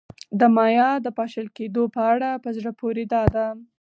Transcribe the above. د مایا د پاشل کېدو په اړه په زړه پورې دا ده